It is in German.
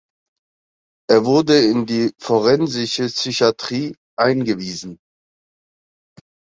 Er wurde in die Forensische Psychiatrie eingewiesen.